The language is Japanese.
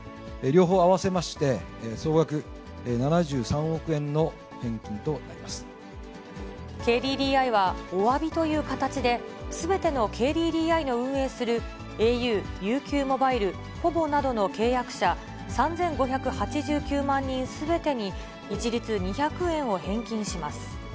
両方合わせまして、ＫＤＤＩはおわびという形で、すべてのＫＤＤＩの運営するａｕ、ＵＱモバイル、ポボなどの契約者、３５８９万人すべてに一律２００円を返金します。